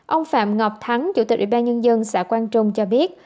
ông phạm ngọc thắng chủ tịch ủy ban nhân dân xã quang trung cho biết